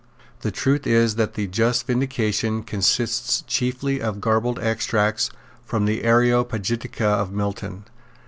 The truth is that the just Vindication consists chiefly of garbled extracts from the Areopagitica of Milton.